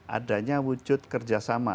adanya wujud kerjasama